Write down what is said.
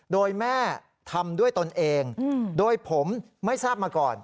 โดยแม่ทำด้วยตนเองโดยผมไม่ทราบมาก่อน